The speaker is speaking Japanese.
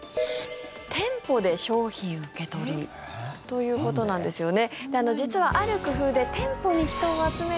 店舗で商品受け取りということなんですよね。